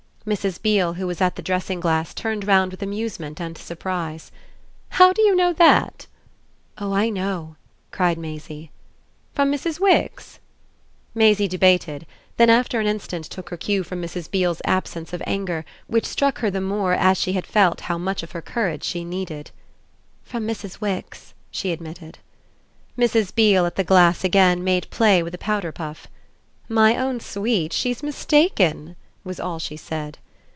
Mrs. Beale, who was at the dressing glass, turned round with amusement and surprise. "How do you know that?" "Oh I know!" cried Maisie. "From Mrs. Wix?" Maisie debated, then after an instant took her cue from Mrs. Beale's absence of anger, which struck her the more as she had felt how much of her courage she needed. "From Mrs. Wix," she admitted. Mrs. Beale, at the glass again, made play with a powder puff. "My own sweet, she's mistaken!" was all she said.